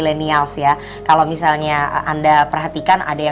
debat kusir dan